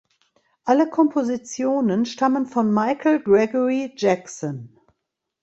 Alle Kompositionen stammen von Michael Gregory Jackson.